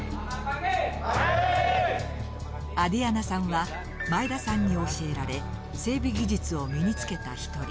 アディアナさんは前田さんに教えられ整備技術を身につけた一人。